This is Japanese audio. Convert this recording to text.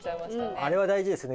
あれは大事ですね。